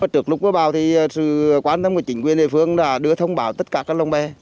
trước lúc báo thì sự quan tâm của chính quyền địa phương là đưa thông báo tất cả các lông bè